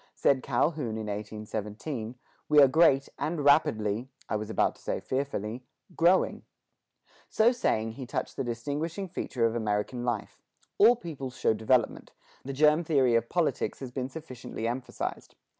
Said Calhoun in 1817, "We are great, and rapidly I was about to say fearfully growing!"[2:1] So saying, he touched the distinguishing feature of American life. All peoples show development; the germ theory of politics has been sufficiently emphasized.